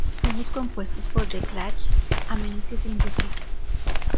Todos compuestos por The Clash a menos que se indique.